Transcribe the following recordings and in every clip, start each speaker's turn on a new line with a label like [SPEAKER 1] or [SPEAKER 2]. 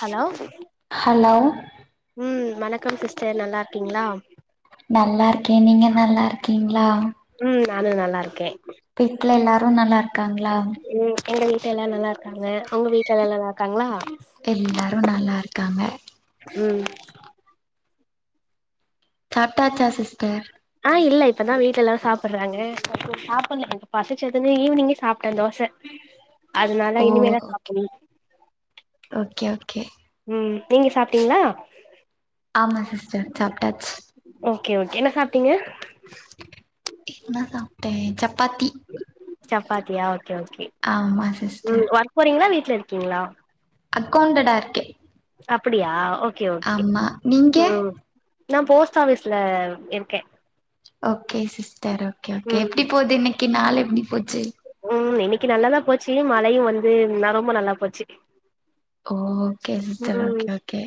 [SPEAKER 1] Hello
[SPEAKER 2] hello
[SPEAKER 1] ம் வணக்கம் sister நல்லாருக்கீங்ளா
[SPEAKER 2] நல்லாருக்கே நீங்க நல்லாருக்கீங்களா
[SPEAKER 1] ம் நானு நல்லா இருக்கே
[SPEAKER 2] வீட்டுல எல்லாரு நல்லா இருக்காங்ளா
[SPEAKER 1] ம் எங்க வீட்ல எல்லா நல்லா இருக்காங்க உங்க வீட்ல எல்லா நல்லா இருக்காங்ளா
[SPEAKER 2] எல்லாரு நல்லா இருக்காங்க
[SPEAKER 1] ம்
[SPEAKER 2] சாப்டாச்சா சிஸ்டர்
[SPEAKER 1] ஆ இல்ல இப்பதா வீட்டுல எல்லாரு சாப்புறாங்க அப்புறோ சாப்புல எனக்கு பசிச்சதுன்னு ஈவ்னிங்கே சாப்பிட்டே தோச அதனால இனிமேதா சாப்புன்னு
[SPEAKER 2] ஓக்கே ஓக்கே
[SPEAKER 1] உம் நீங்க சாப்ட்டீங்ளா
[SPEAKER 2] ஆமா சிஸ்டர் சாப்டாச்சு
[SPEAKER 1] ஓக்கே ஓக்கே என்ன சாப்ட்டீங்க
[SPEAKER 2] என்ன சாப்ட்டே சப்பாத்தி
[SPEAKER 1] சப்பாத்தியா ஓக்கே ஓக்கே
[SPEAKER 2] ஆமா சிஸ்டர்
[SPEAKER 1] போறீங்ளா வீட்லயிருக்கீங்ளா
[SPEAKER 2] அக்கௌண்டடா இருக்கே
[SPEAKER 1] அப்டியா ஓக்கே ஓக்கே
[SPEAKER 2] ஆமா நீங்க
[SPEAKER 1] ம் நா ஃபோஸ்ட் ஆபிஸ்லயிருக்கே
[SPEAKER 2] ஓக்கே சிஸ்டர் ஓக்கே ஓக்கே
[SPEAKER 1] ம்
[SPEAKER 2] எப்டி போது இன்னைக்கு நாள் எப்டி போச்சு
[SPEAKER 1] ம் இன்னைக்கு நல்லாதா போச்சு மழையு வந்து நா ரொம்ப நல்லா போச்சு
[SPEAKER 2] ஓக்கே சிஸ்டர்
[SPEAKER 1] ம்
[SPEAKER 2] ஓக்கே ஓக்கே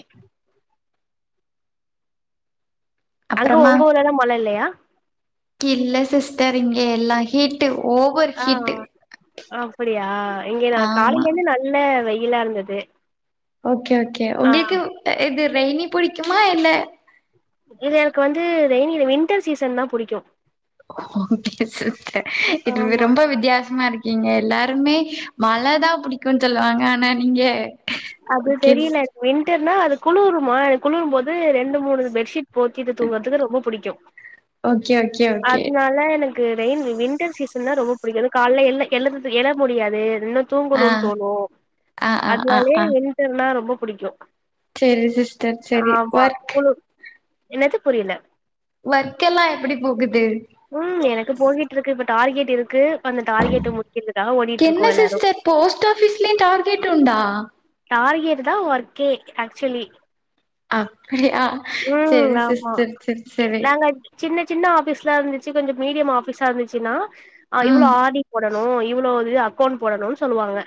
[SPEAKER 1] அங்க
[SPEAKER 2] அப்றமா
[SPEAKER 1] உங்க ஊரல்லா மழை இல்லையா
[SPEAKER 2] இல்ல சிஸ்டர் இங்கே எல்லா ஹீட்டு ஓவ்
[SPEAKER 1] ஆ அப்டியா இங்க நா
[SPEAKER 2] ஆமா
[SPEAKER 1] காலையிலயிருந்து நல்ல வெயிலா இருந்தது
[SPEAKER 2] ஓக்கே ஓக்கே
[SPEAKER 1] ஆ
[SPEAKER 2] உங்களுக்கு இது ரெய்னி புடிக்குமா இல்ல
[SPEAKER 1] இது எனக்கு வந்து ரெய்னி இல்ல வின்டர் சீசன்தா புடிக்கு
[SPEAKER 2] ஓக்கே சிஸ்டர் இது
[SPEAKER 1] ஆமா
[SPEAKER 2] ரொம்ப வித்தியாசமாயிருக் இங்க எல்லாருமே மழைதா புடிக்குன் சொல்லுவாங்க ஆனா நீங்க
[SPEAKER 1] அது
[SPEAKER 2] ஓகே
[SPEAKER 1] தெரியில வின்டர்னா அது குளுருமா குளிரு போது ரெண்டு மூணு பெட்ஷீட் போத்திட்டு தூங்கற்துக்கு ரொம்ப புடிக்கு
[SPEAKER 2] ஓகே ஓகே ஓகே
[SPEAKER 1] அதுனால எனக் கு ரெயின் விண்டர் சீசன்தா ரொம்ப புடிக்கு கால்ல எல் எழமுடியாது இன்னு
[SPEAKER 2] ஆ
[SPEAKER 1] தூங்கனுன்னு தோணு
[SPEAKER 2] ஆ ஆ ஆ
[SPEAKER 1] அதனாலே
[SPEAKER 2] ஆ
[SPEAKER 1] வின்டர்னா ரொம்ப புடிக்கு
[SPEAKER 2] செரி சிஸ்டர் செரி ஒர்க்
[SPEAKER 1] குளு என்னது புரியல
[SPEAKER 2] ஒர்க்கெல்லா எப்டி போகுது
[SPEAKER 1] ம் எனக்கு போகிட்டு இருக்கு இப்ப டார்கெட்யிருக்கு அந்த டார்கெட்ட முடிக்கர்துக்காக ஓடிட்டு இருக்கோ எல்லாரு
[SPEAKER 2] ஃபோஸ்ட் ஆபீஸ்லயு டார்கெட் உண்டா
[SPEAKER 1] டார்கெட்டுதா ஒர்க்கே ஆக்ச்சுலி
[SPEAKER 2] அப்பிடியா
[SPEAKER 1] ம்
[SPEAKER 2] செரி
[SPEAKER 1] ஆமா
[SPEAKER 2] சிஸ்டர் செரி செரி
[SPEAKER 1] நாங்க சின்ன சின்ன ஆபீஸ்ல இருந்துச்சு கொஞ்சோ மீடியம் ஆபீஸா இருந்துச்சுன்னா ஆ இவ்ளோ
[SPEAKER 2] ம்
[SPEAKER 1] ஆர் டி போட்ணு இவ்ளோ அக்கௌண்ட் போடணுனு சொல்லுவாங்க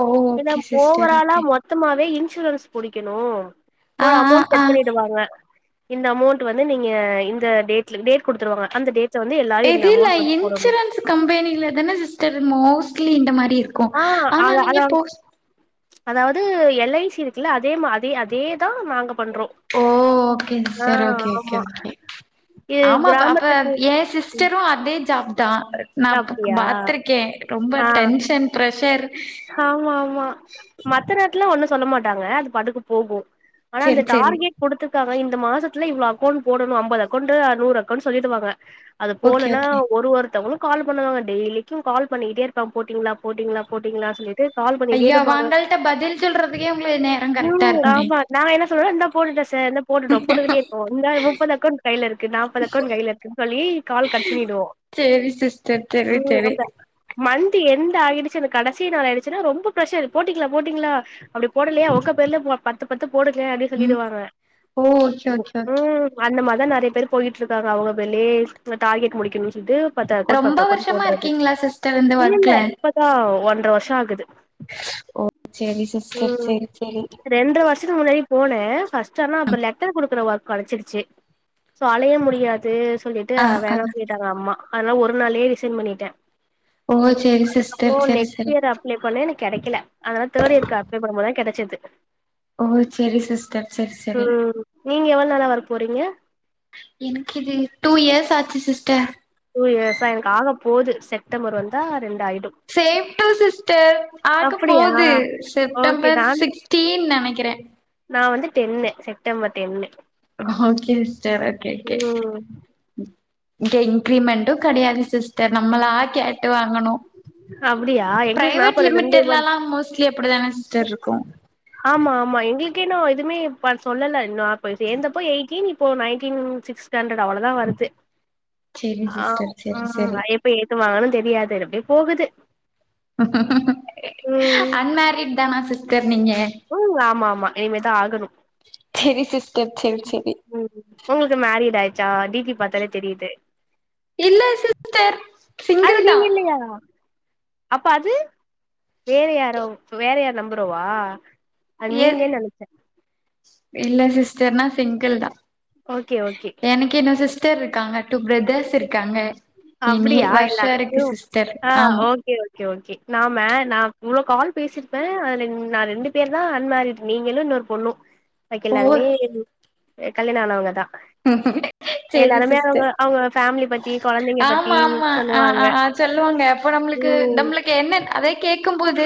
[SPEAKER 2] ஓ
[SPEAKER 1] இத
[SPEAKER 2] ஓகே சிஸ்டர்
[SPEAKER 1] ஓவராலா
[SPEAKER 2] ஓகே
[SPEAKER 1] மொத்தமாவே இன்சூரன்ஸ் புடிக்கணு
[SPEAKER 2] ஆ
[SPEAKER 1] ஒரு
[SPEAKER 2] ஆ
[SPEAKER 1] அமௌண்ட்டு
[SPEAKER 2] ஆ
[SPEAKER 1] வாங்க இந்த அமௌண்ட் வந்து நீங்க இந்த டேட்ல டேட் குடுத்துருவாங்க அந்த டேட் [inaudible] வந்து எல்லாரு இந்த அமௌண்ட் வந்து போடணு
[SPEAKER 2] கம்பேனில தானே சிஸ்டர் மோஸ்ட்லி இந்த மாரி இருக்கு ஆனா நீங்க போஸ்
[SPEAKER 1] அதாது எல் ஐ சி இருக்குல்ல அதே அதே அதேதா நாங்க பண்றோ
[SPEAKER 2] ஓ ஓகே
[SPEAKER 1] ஆ
[SPEAKER 2] சிஸ்டர் ஓகே ஓகே
[SPEAKER 1] ஆமா
[SPEAKER 2] ஓகே
[SPEAKER 1] இது
[SPEAKER 2] ஆமா அப்ப அப்ப
[SPEAKER 1] கிராமத்துக்கு
[SPEAKER 2] ஏ சிஸ் டரு அதே ஜாப்தா நா
[SPEAKER 1] அப்டியா
[SPEAKER 2] பாத்திருக்கே ரொம்ப
[SPEAKER 1] ஆ
[SPEAKER 2] டென்ஷன் பிரஷர்
[SPEAKER 1] ஆமா ஆமா மத்த நேரத்துல்லா ஒண்ணு சொல்ல மாட்டாங்க அது பாட்டுக்கு போகு ஆனா அந்த
[SPEAKER 2] செரி செரி
[SPEAKER 1] டார்கெட் குடுத்துருக்காங்க இந்த மாசத்துல இவ்ளோ அக்கௌண்ட் போடணு ஐம்பது அக்கௌண்ட்டு நூறு அக்கௌண்ட் சொல்லிடுவாங்க அது
[SPEAKER 2] ஓகே
[SPEAKER 1] போலன்னா
[SPEAKER 2] ஓகே
[SPEAKER 1] ஒரு ஒருத்தவங்களு கால் பண்ணுவாங்க டெய்லிக்கி கால் பண்ணிட்டே இருப்பாங்க போட்டீங்ளா போட்டீங்ளா போட்டீங்ளா சொல்லிட்டு கால் பண்ணிட்டே
[SPEAKER 2] ஐயோ
[SPEAKER 1] இருப்பாங்க
[SPEAKER 2] அவங்கள்ட்ட பதில் சொல்றதுக்கே உங்களுக்கு நேரோ கரெக்டா
[SPEAKER 1] ம்
[SPEAKER 2] இருக்குமே
[SPEAKER 1] ஆமா நா என்ன சொல்வே இந்தா போட்டுட்ட சார் இந்தா போட்டுட்டோ போட்டுக்கிட்டே இருக்கோ இந்தா முப்பது அக்கௌண்ட் கையில இருக்கு நாப்பது அக்கௌண்ட் கையில இருக்குன்னு சொல்லி கால் கட் பண்ணிடுவோ
[SPEAKER 2] சேரி சிஸ்டர் தெரி தெரி
[SPEAKER 1] மந்த்து என்டு ஆயிடுச்சுனு கடைசி நாள் ஆயிடுச்சுனா ரொம்ப பிரஷரு போட்டீங்ளா போட்டீங்ளா அப்டி போடலயா உங்க பேர்ல பத்து பத்து போடுங்க அப்டி
[SPEAKER 2] ம்
[SPEAKER 1] சொல்லிடுவாங்க
[SPEAKER 2] ஓ ஓகே ஓகே ஓகே
[SPEAKER 1] ம் அந்தமாரிதா நெறைய பேர் போயிட்டி இருக்காங்க அவுங்க பேர்லயே அங்க டார்கெட் முடிக்குனு சொல்லிட்டு பத்து அக்கௌன்ட்
[SPEAKER 2] ரொம்ப
[SPEAKER 1] பத்து அக்கௌன்ட்
[SPEAKER 2] வருஷமா
[SPEAKER 1] போட்றது
[SPEAKER 2] இருக்கீங்களா சிஸ்டர் இந்த
[SPEAKER 1] இல்ல இல்ல
[SPEAKER 2] ஒர்க்ல
[SPEAKER 1] இப்பதா ஒன்ற வருஷோ ஆகுது
[SPEAKER 2] ஓ சேரி சிஸ்டர் சேரி சேரி
[SPEAKER 1] ரெண்ட்ற வருஷத்துக்கு முன்னாடி போனே ஃபஸ்ட் ஆனா அப்ப லெட்டர் குடுக்குற ஒர்க் கெடச்சிருச்சு சோ அலைய முடியாது சொல்லிட்டு
[SPEAKER 2] ஆ ஆ
[SPEAKER 1] வேணா சொல்லிட்டாங்க அம்மா அதனால ஒரு நாள்லயே ரிசைன் பண்ணிட்டே
[SPEAKER 2] ஓ சேரி சிஸ்டர் சேரி சேரி
[SPEAKER 1] அப்ளே பண்ணே எனக் கெடைக்கல அதனால தேர்ட் இயர்க்கு அப்ளே பண்ணும் போதுதா கெடச்சது
[SPEAKER 2] ஓ சேரி சிஸ்டர் சேரி சேரி
[SPEAKER 1] ம் நீங்க எவ்ளோ நாளா ஒர்க் போறீங்க
[SPEAKER 2] எனக்கு இது டூ இயர்ஸ் ஆச்சு சிஸ்டர்
[SPEAKER 1] டூ இயர்ஸா எனக்கு ஆக போகுது செப்டம்பர் வந்தா ரெண்டாயிடு
[SPEAKER 2] சேம் டூ சிஸ்டர் ஆக
[SPEAKER 1] அப்டியா
[SPEAKER 2] போது
[SPEAKER 1] ஓகே
[SPEAKER 2] செப்டம்பர்
[SPEAKER 1] நான்
[SPEAKER 2] சிக்ஸ்டீன் நெனைக்கிறே
[SPEAKER 1] நா வந்து டென்னு செப்டம்பர் டென்னு
[SPEAKER 2] ஓகே சிஸ்டர் ஓகே ஓகே
[SPEAKER 1] ம்
[SPEAKER 2] இங்க இன்கிரிமெண்டு கெடையாது சிஸ்டர் நம்மளா கேட்டு வாங்கணு
[SPEAKER 1] அப்டியா எங்களுக்கு
[SPEAKER 2] பிரைவேட்
[SPEAKER 1] நாப்பது ரெண்டு மந்த்
[SPEAKER 2] லிமிடெட்லெல்லா மோஸ்ட்லி அப்படிதானே சிஸ்டர் ருக்கு
[SPEAKER 1] ஆமா ஆமா எங்களுக்கே இன்னு எதுமே ப சொல்லல இன்னு நா அப்ப சேந்தப்ப எயிட்டீன் இப்போ நைன்டீன் சிக்ஸ் ஸண்டரட் அவ்வளதா வருது
[SPEAKER 2] செரிங்
[SPEAKER 1] ஆம்
[SPEAKER 2] சிஸ்டர் செரி
[SPEAKER 1] ம்
[SPEAKER 2] செரி
[SPEAKER 1] எப்ப ஏத்து வாங்கணு தெரியாது அப்டே போகுது ம்
[SPEAKER 2] அன்மேரிட்தானா சிஸ்டர் நீங்க
[SPEAKER 1] ம் ஆமா ஆமா இனிமேதா ஆகணு
[SPEAKER 2] செரி சிஸ்டர் செரி செரி
[SPEAKER 1] ம் உங்களுக்கு மேரிட் ஆயிட்ச்சா டீபி பாத்தாலே தெரியிது
[SPEAKER 2] இல்ல சிஸ்டர்
[SPEAKER 1] அது
[SPEAKER 2] சிங்கிள்தா
[SPEAKER 1] நீங்க இல்லையா அப்ப அது வேற யாரோ வேற யார் நம்பரோவா
[SPEAKER 2] ஏ இல்ல சிஸ்டர் நா சிங்கிள் தா
[SPEAKER 1] ஓகே ஓகே
[SPEAKER 2] எனக்கின்னு சிஸ்டர் இருக்காங்க டூ ப்ரெதர்ஸ் இருக்காங்க இனி
[SPEAKER 1] அப்டியா
[SPEAKER 2] வருஷோ
[SPEAKER 1] எல்லாருக்கு
[SPEAKER 2] இருக்கு சிஸ்டர்
[SPEAKER 1] ஆ
[SPEAKER 2] ஆமா
[SPEAKER 1] ஓகே ஓகே ஓகே நா மே நா இவ்ளோ கால் பேசிருப்பே அதுல நா ரெண்டு பேர்தா அன்மேரிட் நீங்களு இன்னொரு பொண்ணு பாக்கி
[SPEAKER 2] ஓ
[SPEAKER 1] எல்லாருமே அ கல்யாண ஆனவங்கதா
[SPEAKER 2] சேரி
[SPEAKER 1] எல்லாருமே அவுங்க
[SPEAKER 2] சிஸ்டர்
[SPEAKER 1] அவுங்க ஃபேமிலி பத்தி கொழந்தைங்க பத்தி
[SPEAKER 2] ஆமா ஆமா அ
[SPEAKER 1] சொல்லுவாங்க
[SPEAKER 2] அ அ சொல்லுவாங்க அப்ப நம்ப்ளுக்கு
[SPEAKER 1] ம்
[SPEAKER 2] நம்ளு க்கு என்ன அதை கேக்கும் போது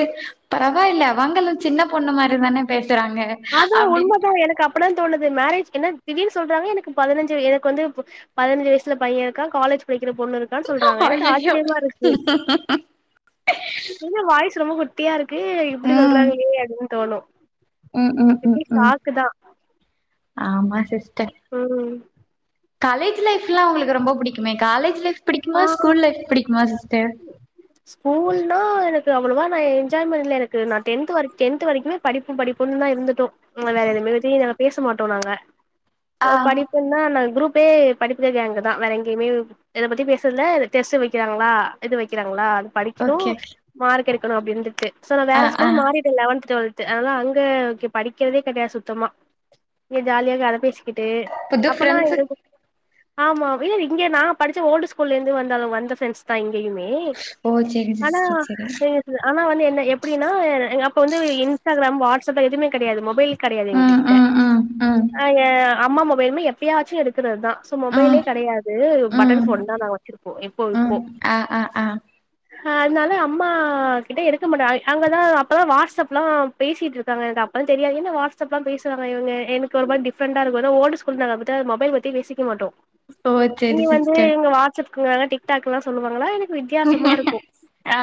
[SPEAKER 2] பரவாயில்ல அவங்களு சின்ன பொண்ணு மாரி தான பேசுறாங்க
[SPEAKER 1] அதா
[SPEAKER 2] அப்டின்னு
[SPEAKER 1] உண்மதா எனக்கு அப்பன்னா தோணது மேரேஜ் என்ன திடீ சொல்றாங்க எனக்கு பதினஞ்சு எனக்கு வந்து இப்ப பதினஞ்சு வயசுல பையே இருக்கா காலேஜ் படிக்கிற பொண்ணு இருக்கான் சொல்றாங்க எனக்கு
[SPEAKER 2] ஐயயோ
[SPEAKER 1] ஆச்சரியமா இருக்கு என்ன வாய்ஸ் ரொம்ப குட்டியா இருக்கு இப்டி
[SPEAKER 2] ம்
[SPEAKER 1] சொல்றாங்களே அப்டினு தோணு
[SPEAKER 2] ம் ம் ம் ம் ஆமா சிஸ்டர்
[SPEAKER 1] ம்
[SPEAKER 2] காலேஜ் லைஃப்லா உங்களுக்கு ரொம்ப பிடிக்குமே காலேஜ் லைஃப்
[SPEAKER 1] ஆ
[SPEAKER 2] பிடிக்குமா ஸ்கூல் லைஃப் பிடிக்குமா சிஸ்டர்
[SPEAKER 1] ஸ்கூல்னா எனக்கு அவ்வளவா நா என்ஜாய் பண்ல எனக்கு நா டென்த் வரிக் டென்த்து வரைக்குமே படிப்பு படிப்புன்னுதா இருந்துட்டோ வேற எதுவுமே பத்தி நாங்க பேச மாட்டோ நாங்க
[SPEAKER 2] ஆ
[SPEAKER 1] அ படி ப்புன்னா நாங் குரூப்பே படிக்கிற கேங்குதா வேற எங்கயுமே எத பத்தி பேச ற்தில்ல டெஸ்ட் வைக்கிறாங்ளா இது வெக்கிறாங்ளா அது படிக்கணு
[SPEAKER 2] ஓகே ஓகே
[SPEAKER 1] மார்க் எடுக்கணு அப்டி இருந்துட்டு சோ நா
[SPEAKER 2] ஆ
[SPEAKER 1] வேற
[SPEAKER 2] ஆ
[SPEAKER 1] ஸ்கூல் மாறிட்டே லெவன்த் டுவெல்த்து அதனால அங்க ஓகே படிக்கிறதே கெடையாது சுத்தமா ஒரே ஜாலியா கத பேசிக்கிட்டு
[SPEAKER 2] புது
[SPEAKER 1] அப்பல்லா
[SPEAKER 2] ஃப்ரெண்ட்ஸு
[SPEAKER 1] எங்கள்க்கு ஆமா இல்ல இங்க நா படிச்ச ஓல்டு ஸ்கூல்ல இந்து வந்தாலு வந்த ஃப்ரெண்ஸ் தா இங்கயுமே
[SPEAKER 2] ஓ சேரி
[SPEAKER 1] ஆனா
[SPEAKER 2] சிஸ்டர் சேரி
[SPEAKER 1] எ ஆனா வந்து என்ன எப்படின்னா எ அப்ப வந்து இன்ஸ்டாகிராம் வாட்ஸ்அப் எதுமே கெடையாது மொபைல் கெடையாது
[SPEAKER 2] ம்
[SPEAKER 1] எங்ககிட்ட
[SPEAKER 2] ம் ம் ம்
[SPEAKER 1] அ எ அம்மா மொபைலுமே எப்பயாச்சு எடுக்கறதுதா மொபைலே
[SPEAKER 2] ம்
[SPEAKER 1] கெடையாது பட்டன்
[SPEAKER 2] ம்
[SPEAKER 1] ஃபோன்தா நா வச்சிருப்போ எப்போ இப்போ
[SPEAKER 2] ம் ஆ ஆ ஆ
[SPEAKER 1] அதனால அம்மா கிட்ட எடுக்க மாட்டே அ அங்கதா அப்பதா வாட்ஸ்அப்லா பேசிட்ருக்காங்க எனக்கு அப்பல்ல தெரியாது என்ன வாட்ஸ்அப்லா பேசுராங்க இவுங்க எனக் ஒரு மாரி டிஃப்ரண்டா இருக்கு ஆனா ஓல்டு ஸ் கூல் நாங்க பாத்த மொபைல் பத்தி பேசிக்வேமாட்டோ
[SPEAKER 2] ஓ
[SPEAKER 1] இங்க
[SPEAKER 2] சேரி
[SPEAKER 1] வந்து
[SPEAKER 2] சிஸ்டர்
[SPEAKER 1] இவுங்க வாட்ஸ்அப்க்றாங்க டிக்டாக்குன்லா சொல்லுவாங்களா எனக்கு வித்தியாசமா இருக்கு
[SPEAKER 2] ஆ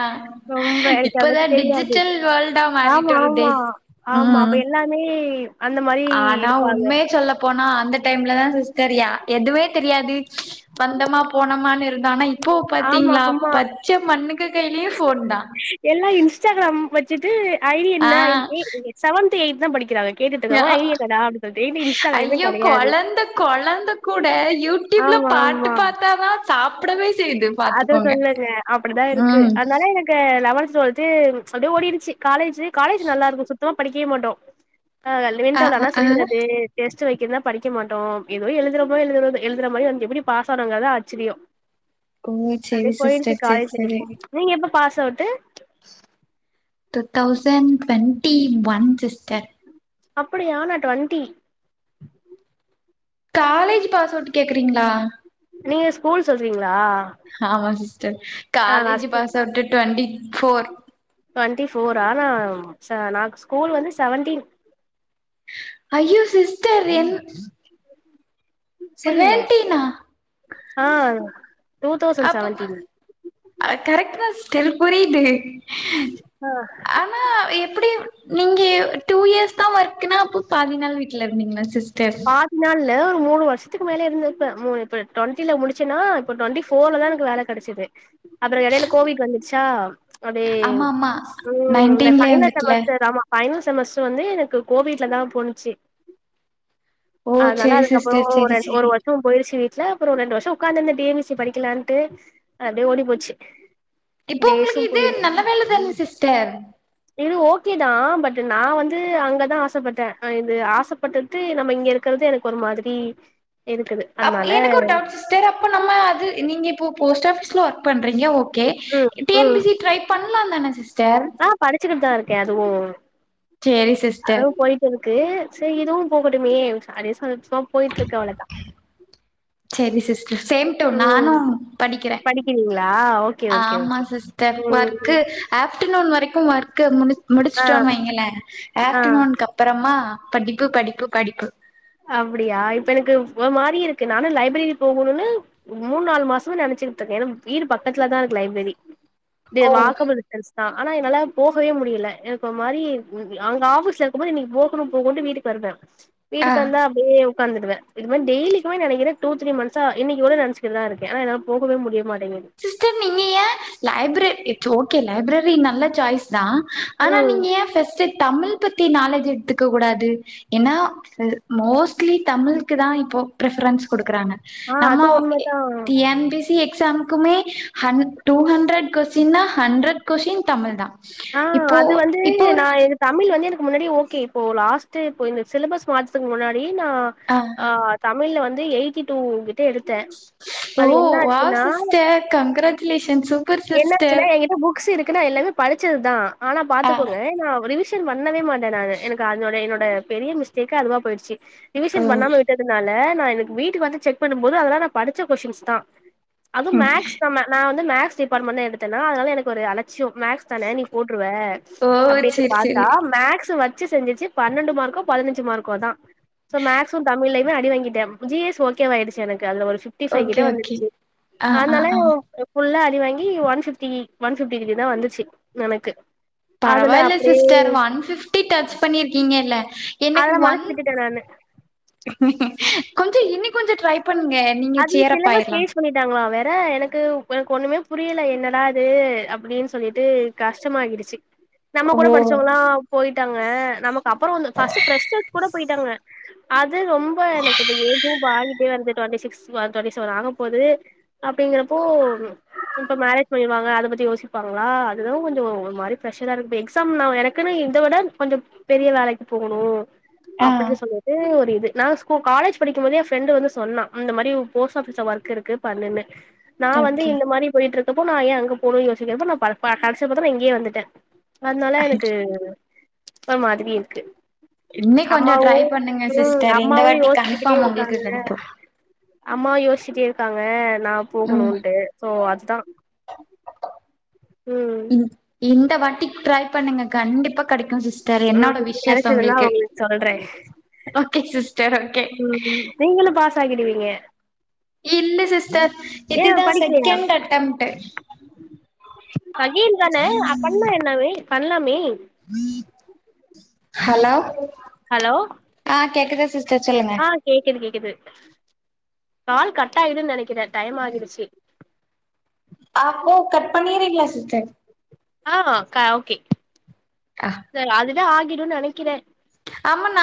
[SPEAKER 1] ரொம்ப எனக்கு
[SPEAKER 2] இப்பதா
[SPEAKER 1] அதபத்தி தெரியாது
[SPEAKER 2] டிஜிட்டல் வேர்ல்டா
[SPEAKER 1] ஆமா
[SPEAKER 2] மாறிட்டு வருதே
[SPEAKER 1] ஆமா ஆமா அப்ப
[SPEAKER 2] ம்
[SPEAKER 1] எல்லா மே
[SPEAKER 2] ஆனா உண்மைய சொல்லப் போனா அந்த டைம்ல தா சிஸ்டர் யா எதுவே தெரியாது வந்தமா போனமானு இருந்தோ ஆன இப் இப்போ
[SPEAKER 1] ஆமா
[SPEAKER 2] பாத்தீங்களா
[SPEAKER 1] ஆமா
[SPEAKER 2] பச்ச மண்ணுங்க கையிலயு ஃபோன்தா
[SPEAKER 1] எல்லா இன்ஸ்டாகிராம் வச்சுட்டு ஐ டி
[SPEAKER 2] ஆ
[SPEAKER 1] என்ன [unintelligible] செவன்த் எயித்துதா படிக்கிறாங்க கேட்டுட்டு இருக்காங்க
[SPEAKER 2] ஆ அ
[SPEAKER 1] ஐடி என்னடா அப்டி சொல்லிட்டு இது இன்ஸ்டாகிராமே
[SPEAKER 2] ஐயோ
[SPEAKER 1] கெடையாது
[SPEAKER 2] கொழந்த கொழந்த கூட யூட் டுப்ல
[SPEAKER 1] ஆமா
[SPEAKER 2] பாட்டு
[SPEAKER 1] ஆமா
[SPEAKER 2] பாத்தா தா
[SPEAKER 1] அத சொல்லுங்க அப்டிதா இருக்கு
[SPEAKER 2] ம்
[SPEAKER 1] அதனால எனக் கு லெவன்த் டுவெல்து அப்டியெ ஓடிடுச்சு காலேஜ்ஜி காலேஜ் நல்லா இருக்கு சுத்தமா படிக்கவே மாட்டோ ஆ
[SPEAKER 2] அ
[SPEAKER 1] [unintelligible]
[SPEAKER 2] அ
[SPEAKER 1] தா
[SPEAKER 2] ஆ
[SPEAKER 1] சுத்துறது டெஸ்ட் வைக்கிறதுதா படிக்க மாட்டோ எதோ எழுதுறப்போ எழுதுற எழுதுற மாரி [unintelligible] எப்டி பாஸ் ஆனோங்கரதுதா ஆச்சரிய
[SPEAKER 2] ஓ
[SPEAKER 1] அப்டியே
[SPEAKER 2] செரி
[SPEAKER 1] போய்ருச்சு
[SPEAKER 2] சிஸ்டர் செரி
[SPEAKER 1] காலேஜ்ஜி
[SPEAKER 2] செரி
[SPEAKER 1] நீங்க எப்ப pass out
[SPEAKER 2] two thousand twenty one sister
[SPEAKER 1] அப்டியா நா டுவென்டி
[SPEAKER 2] காலேஜ்ஜி பாஸ் அவுட்டு கேக்குறீங்களா
[SPEAKER 1] நீங்க ஸ்கூல் சொல்றீங்களா
[SPEAKER 2] ஆமா சிஸ்டர்
[SPEAKER 1] ஆ நா
[SPEAKER 2] காலேஜ்ஜி
[SPEAKER 1] ஸ்கூ
[SPEAKER 2] pass out twenty four
[SPEAKER 1] twenty ஃபோரா நா ஸ்கூல் வந்து செவன்டீன்
[SPEAKER 2] அய்யோ சிஸ்டர் என்
[SPEAKER 1] புரில
[SPEAKER 2] செவன்டீனா
[SPEAKER 1] ஆ டூ தௌசண்ட்
[SPEAKER 2] அப்ப
[SPEAKER 1] செவன்டீன்
[SPEAKER 2] அ கரெக்ட்தா சிஸ்டர் புரியுது ஆ எப்டி நீங்க டூ இயர்ஸ் தா ஒர்க்னா அப்போ பாதினால் வீட்டுல இருந்தீங்களா சிஸ்
[SPEAKER 1] பாத் தி நாள்ள ஒரு மூணு வருஷத்துக்கு மேலே இருந்துருப்பே மு இப்ப டுவெண்டில முடிச்சேன்னா இப்போ டுவெண்டி ஃபோர்ல தா எனக்கு வேல கெடைச்சது அப்றோ எடையில கோவிட் வந்துடுச்சா அடியே
[SPEAKER 2] ஆமா ஆமா
[SPEAKER 1] ம் இந்த
[SPEAKER 2] நைன்டீன்லயே
[SPEAKER 1] ஃபைனல்
[SPEAKER 2] வந்துட்டுல
[SPEAKER 1] செமஸ்டர் ஆமா ஃபைனல் செமஸ்டர் வந்து எனக்கு கோவிட்ல தா போணுச்சு
[SPEAKER 2] ஓ
[SPEAKER 1] அதனால
[SPEAKER 2] செரி
[SPEAKER 1] அதுக்கப்பறோ
[SPEAKER 2] சிஸ்டர் செரி
[SPEAKER 1] ரெண் ஒரு
[SPEAKER 2] செரி
[SPEAKER 1] வர்ஷ போய்டுச்சு வீட்டுல அப்பறோ ஒரு ரெண்டு வர்ஷோ உக்காந்திருந்த டி என் பி சி படிக்கலான்ட்டு அப்டிய ஓடி போச்சு
[SPEAKER 2] இப்போ
[SPEAKER 1] டேஸு
[SPEAKER 2] உங்களுக்கு இதே
[SPEAKER 1] போய்
[SPEAKER 2] நல்ல வேல தானே சிஸ்டர்
[SPEAKER 1] இது ஓகே தா பட் நா வந்து அங்கதா ஆசப்பட்டே ம் இது ஆசப்பட்ட டு நம்ப இங்க இருக்கறது எனக்கு ஒரு மாதிரி இருக்குது அத்னால
[SPEAKER 2] தேரு அப்போ நம்ம அது நீங்க இப்போ போஸ்ட் ஆபீஸ்ல ஒர்க் பண்றீங்க ஓக் கே
[SPEAKER 1] ம்
[SPEAKER 2] டி என்
[SPEAKER 1] ம்
[SPEAKER 2] பி சி ட்ரை பண்லதான சிஸ்டர்
[SPEAKER 1] ஆ படிச்சுக்கிட்டு தா இருக்கே அதுவு
[SPEAKER 2] சேரி சிஸ்டர்
[SPEAKER 1] அதுவு போய்ட் டு இருக்கு செரி இதுவு போகட்டுமே அதே [unintelligible] தா போய்ட்டு இருக்கு அவ்ளோதா
[SPEAKER 2] செரி சிஸ்டர் சேம் டூ நானு
[SPEAKER 1] ம்
[SPEAKER 2] படிக்கிறே
[SPEAKER 1] படிக்கிறீங்களா ஓகே ஓகே
[SPEAKER 2] ஆமா
[SPEAKER 1] ஓகே
[SPEAKER 2] சிஸ் டர்
[SPEAKER 1] ம்
[SPEAKER 2] ஒர்க்கு
[SPEAKER 1] ம்.
[SPEAKER 2] ஆஃப்டர்நூன் வரைக்கு ஒர்க் முடி
[SPEAKER 1] ஆ
[SPEAKER 2] முடிச்சட்டோ வைங்களே
[SPEAKER 1] ஆ
[SPEAKER 2] ஆஃப்டர்னு அப் றோமா படிப்பு படிப்பு படிப்பு
[SPEAKER 1] அப்டியா இப்ப எனக்கு ஒரு மாரி இருக்கு நானு லைப்ரரி போகுணுன்னு மூணு நால் மாசம நெனைச்சுகிட்ருக்கே ஏன்னா வீடு பக்கத்துலதா இருக்கு லைப்ரரி வே
[SPEAKER 2] ஓ
[SPEAKER 1] வாக்கபுல் [unintelligible] ஆனா என்னால போகவே முடியில எனக்கு ஒரு மாரி ம் அங்க ஆபீஸ்ல இருக்கு போது நீ போகணு போகணுடு வீட்டு சொல்வா
[SPEAKER 2] ஆ
[SPEAKER 1] வந்த அப்டியே உக்காந்துவே மாறி டெலிக்கு நினைக்க டூ தீடி ம இன்னைக்கு நெனச்சுக்கா இருே போகவே முடியுமாட்டேங்கது
[SPEAKER 2] சிஸ்டர் நீங்க ஏ லைப்ரெ இட்ஸ் ஓகே லைப்ரெரி நல்ல சாய்ஸ்தா ஆனா
[SPEAKER 1] ம்
[SPEAKER 2] நீங்க ஏ ஃபெர்ஸ்ட்டேத் தமிழ் பத்தி நாலேஜ் எட்த்துக்க கூடாது எனா அ மோஸ்ட்லி தமிழ்க்குதா இப்போ பிரஃபரன்ஸ் குடுக்றாங்க
[SPEAKER 1] ஆ அது
[SPEAKER 2] நம்மவோ
[SPEAKER 1] உண்மதா
[SPEAKER 2] டி என் பி சி எக் ஸாம்க்குமே ஹண் டூ ஹண்ட்ரட் கொஸின்னா ஹண்ட்ரட் கொஸ்டின் தமிழ்தா
[SPEAKER 1] ஆ அது வந்து நா எதுப் தமிழ் வந்து எனக்கு முன்னாடி ஓகே இப்போ லாஸ்ட்டு இப்போ இந்த சிலபஸ் மாத்தகு முன்னாடி நா ஆ தமிழ்ல வந்து எயிட்டி டூ கிட்ட எடுத்தே அது என்ன ஆச்சுன்னா
[SPEAKER 2] அ கங்கராச்சுலேஷன்ஸ் சூப்
[SPEAKER 1] என்ன ஆச்சுனா எங்கிட்ட புக்ஸ் இருக்கு நா எல்லாமேப் படிச்சதுதா ஆனாப்
[SPEAKER 2] ஆ
[SPEAKER 1] பாத்துகோங்க நா ரிவிஷன் பண்ணவே மாட்டே நானு எனக்கு அதோட என்னோட பெரிய மிஸ்டேக்கே அதுவா போயிடுச்சி
[SPEAKER 2] ஓ
[SPEAKER 1] ரிவிஷன் பண்ணாம விட்டத் துனால நா எனக்கு வீட்டுக்கு வந்து செக் பண்ணும்போது அதலா நா படிச்ச கொஸின்ஸ்தா அதும்
[SPEAKER 2] ம்
[SPEAKER 1] மேக்ஸ்தாம்ம நா வந்து மேக்ஸ் டிபார்ட்மெண்ண எடுத்தனா அதனால எனக்கு ஒரு அலச்சியோ மேக்ஸ் தானே நீ போட்ருவே
[SPEAKER 2] ஓ
[SPEAKER 1] அப்டின்ட்டு
[SPEAKER 2] சரி
[SPEAKER 1] பாத்தா
[SPEAKER 2] சரி
[SPEAKER 1] மேக்ஸ் வெச்சு செஞ்சிர்ச்சுப் பன்னெண்டு மார்க்கோ பதினஞ்சு மார்க்கோதா சோ மேக்சிமம் தமிழ்லியுமே அடி வாங்கிட்டே ஜி எஸ் ஓகேவாயிடுச்சு எனக்கு அதல ஒரு ஃபிஃப்டி ஃபைவ் கிட்டே
[SPEAKER 2] ஓகே ஓகே.
[SPEAKER 1] வந்துடுச்சு
[SPEAKER 2] ஆ ஆ
[SPEAKER 1] அதனால
[SPEAKER 2] ஆ
[SPEAKER 1] ஒவ் அ ஃபுல்லா அடிவாங்கி ஒன் ஃபிஃப்டி ஒன் ஃபிஃப்டி த்ரீதா வந்துச்சு எனக்கு அதுல
[SPEAKER 2] பரவாயில்ல
[SPEAKER 1] அப்டியே
[SPEAKER 2] sister one fifty touch பண்ணிருக்கீங்கில்ல எனக்கு
[SPEAKER 1] அதுல மனசு
[SPEAKER 2] ஒன்
[SPEAKER 1] விட்டுட்டே நானு
[SPEAKER 2] கொஞ்சோ இன்னி கொஞ்சோ ட்ரைப் பண்ங்கே
[SPEAKER 1] அது சிலபஸ் சேச் பண்ணிட்டாங்ளா வேற எனக்கு எனக்கு ஒன்னுமே புரியில என்னடா இது அப்டின் சொல்லிட்டு கஷ்டமாகிடுச்சி நம்ம கூட
[SPEAKER 2] ஓ
[SPEAKER 1] படிச்சவங்கல்லா போயிட்டாங்க நமக்கு அப்பறோ வந்து ஃபஸ்ட்டு ஃபிரஷ்டஸ் கூட போயிட்டாங்க அது ரொம்ப எனக்கு இப்ப ஏதோ பாங்கிட்டே வந்து டுவெண்ட்டி சிக்ஸ் வா டுவெண்ட்டி செவென் ஆகப் போது அப்டிங்கிறப்போ ம் இப்ப மேரேஜ் பண்ணிருவாங்க அதப்பத்தி யோசிப்பாங்ளா அதுதுவுங் கொஞ்சோ ஒ ஒரு மாரி ப்ரெஷரா இருகு இப்ப எக்ஸாம் நாவ் எனக் க்குனு இந்த விட கொஞ்சம் பெரிய வேலைக்குப் போகணு
[SPEAKER 2] ஆ
[SPEAKER 1] அப்பிடி சொல்லிட்டு ஒரு இது நா ஸ்கூ காலேஜ் படிக்கும்போது எ ஃப்ரெண்டு வந்து சொன்னா இந்த மாரி வுப் போஸ்ட் ஆபிஸ் ஒர்க் இருக்கு பண்ணுன்னு நா வந்து
[SPEAKER 2] ஓகே
[SPEAKER 1] இந்த மாரி போயிட்ருக் தப்போ நா ஏ அங்க போனு யோசிக்கிறப்போ நா பர் ப கடச்சப்பதா நா இங்கியே வந்துட்டே அத்னால எனக்கு ஒரு மாதிரி இருக்கு
[SPEAKER 2] இன்னி கொஞ்சோ ட்ரை
[SPEAKER 1] அம்மாவும்
[SPEAKER 2] பண்ணுங்க
[SPEAKER 1] ம்
[SPEAKER 2] சிஸ்டர் இந்த
[SPEAKER 1] அம்மாவு
[SPEAKER 2] வாட்டி
[SPEAKER 1] யோசிச்சிகிட்டே
[SPEAKER 2] கன்ஃபார்ம் உங்களுக்கு
[SPEAKER 1] இருக்காங்க
[SPEAKER 2] கெடைக்கு
[SPEAKER 1] அம்மாவு யோச்சிட்டே இருக்காங்க நா
[SPEAKER 2] ம்
[SPEAKER 1] போகணுன்ட்டு சோ அதுதா
[SPEAKER 2] ம் இந்த வாட்டி ட்ரைப் பண்ணுங்க கண்டிப்பா கெடைக்கு சிஸ் தெர என்னோட
[SPEAKER 1] ம்
[SPEAKER 2] விஷ்ஷஷ்
[SPEAKER 1] கெடச்சதுன்னா
[SPEAKER 2] ஒங்குள்க்கு
[SPEAKER 1] உங்களுக்கு
[SPEAKER 2] ஓகே சிஸ்
[SPEAKER 1] மா மா நீங்குளும் பாஸ் ஆகிடுவீங்க
[SPEAKER 2] இல்ல சிஸ்டர்
[SPEAKER 1] ஏ
[SPEAKER 2] இதுதா செகண்ட் அட்டெம்ட்டு
[SPEAKER 1] கைய்யேன்தானே அப்பண்ணா என்னவெய் பண்லாமே
[SPEAKER 2] ஹலோ
[SPEAKER 1] ஹலோ
[SPEAKER 2] ஆ கேக்குதா சிஸ்டர் சொல்லுங்க
[SPEAKER 1] ஆ கேக்குது கேக்குது கால் கட்டாயிடுன் நெனைக்கிறே டைம் ஆகிடுச்சி
[SPEAKER 2] ஆப்போ கட் பண்ணிறீங்ளே சிஸ்டர்
[SPEAKER 1] ஆ கா ஓகே செரி அதுவே ஆகிடுன் நெனைக்கிறே
[SPEAKER 2] ஆமான்ன